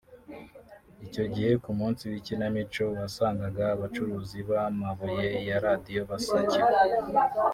icyo gihe ku munsi w’ikinamico wasangaga abacuruzi b’amabuye ya radio basakiwe